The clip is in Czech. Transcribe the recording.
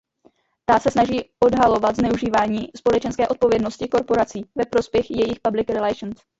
Ta se snaží odhalovat zneužívání společenské odpovědnosti korporací ve prospěch jejich Public relations.